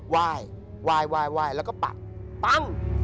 ไหว้แล้วก็ปัด